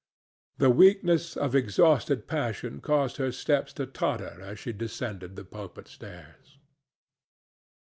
The weakness of exhausted passion caused her steps to totter as she descended the pulpit stairs.